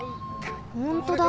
ほんとだ！